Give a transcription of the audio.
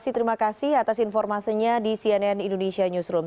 terima kasih atas informasinya di cnn indonesia newsroom